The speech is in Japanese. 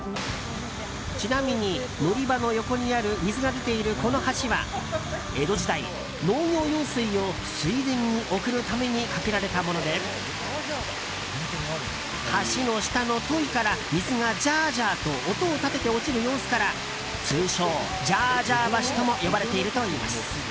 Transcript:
ちなみに、乗り場の横にある水が出ているこの橋は江戸時代農業用水を水田に送るために架けられたもので橋の下の樋から水がジャージャーと音を立てて落ちる様子から通称ジャージャー橋とも呼ばれているといいます。